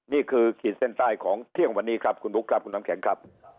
ขีดเส้นใต้ของเที่ยงวันนี้ครับคุณบุ๊คครับคุณน้ำแข็งครับ